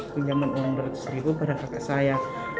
pinjaman uang dua ratus ribu pada kakak saya